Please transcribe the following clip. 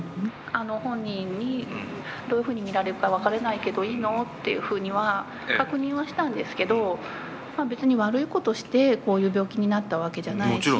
本人にどういうふうに見られるか分からないけどいいの？っていうふうには確認はしたんですけど別に悪いことをしてこういう病気になったわけじゃないし。